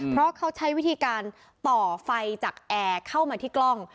เพราะเขาใช้วิธีการต่อไฟจากแอร์เข้ามาที่กล้อง